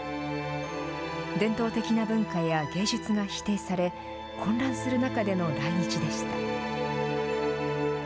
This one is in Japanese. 伝統的な文化や芸術が否定され、混乱する中での来日でした。